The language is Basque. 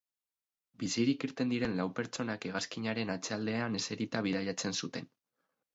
Bizirik irten diren lau pertsonak hegazkinaren atzealdean eserita bidaiatzen zuten.